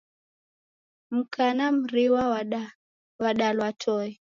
Mka na mriwa wadalwa toe.